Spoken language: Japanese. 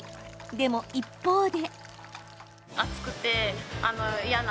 でも、一方で。